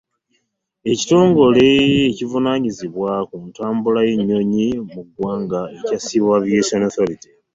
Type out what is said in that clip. Ekitongole ekivunaanyizibwa ku ntambula y'ennyonyi mu ggwanga ekya ‘Civil Aviation Authority